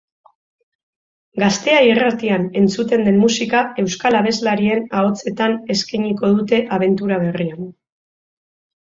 Gaztea irratian entzuten den musika euskal abeslarien ahotsetan eskainiko dute abentura berrian.